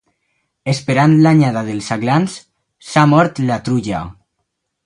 Esperant l'anyada dels aglans s'ha mort la truja.